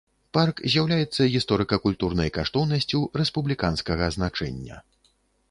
Парк з'яўляецца гісторыка-культурнай каштоўнасцю рэспубліканскага значэння.